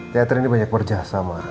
catherine ini banyak kerja sama